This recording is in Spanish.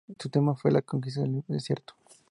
Su tema fue "La conquista del desierto".